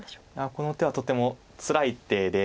この手はとてもつらい手で。